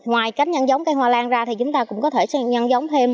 ngoài cách nhân giống cây hoa lan ra thì chúng ta cũng có thể nhân giống thêm